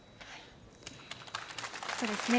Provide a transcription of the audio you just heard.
そうですね。